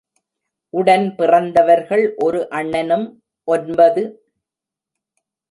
உடன் பிறந்தவர்கள் ஒரு அண்ணனும் ஒன்பது.